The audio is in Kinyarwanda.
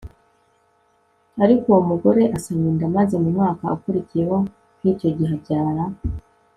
Ariko uwo mugore asama inda maze mu mwaka ukurikiyeho nk icyo gihe abyara